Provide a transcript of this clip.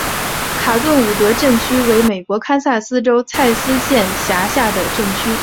卡顿伍德镇区为美国堪萨斯州蔡斯县辖下的镇区。